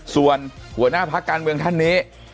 ส่วนหัวหน้าพักการเมืองท่านนี้